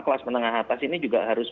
kelas menengah atas ini juga harus